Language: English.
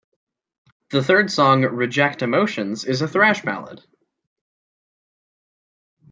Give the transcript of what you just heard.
The third song "Reject Emotions" is a thrash ballad.